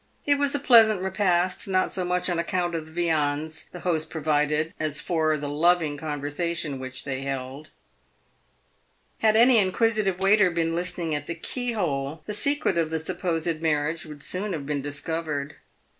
It was a pleasant repast, not so much on account of the viands the host provided as for the loving conversation which they held. Had any inquisitive waiter been listening at the keyhole, the secret of the supposed marriage would soon have been discovered.